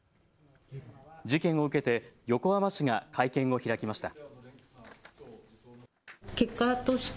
事件を受けて横浜市が会見を開きました。